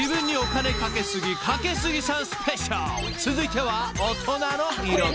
［続いては］